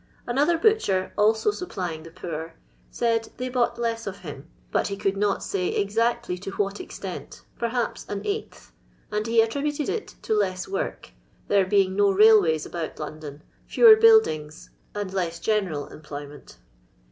Another butcher, also supplying the poor, said they bought less of him ; but he could not say exactly to what extent, perhaps an eighth, and he attributed it to less work, there being no railways about London, fewer buildings, and less general employment.